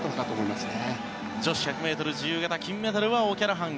女子１００ｍ自由形金メダルはオキャラハン。